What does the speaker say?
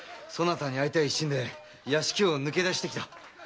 そなたに会いたい一心で屋敷を抜け出してきた。